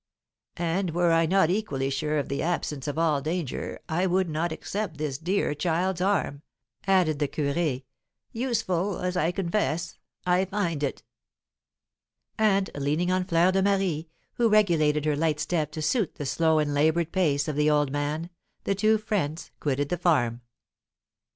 "And, were I not equally sure of the absence of all danger, I would not accept this dear child's arm," added the curé, "useful as, I confess, I find it." And, leaning on Fleur de Marie, who regulated her light step to suit the slow and laboured pace of the old man, the two friends quitted the farm.